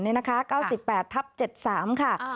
เนี่ยนะคะ๙๘ทับ๗๓ค่ะอ่า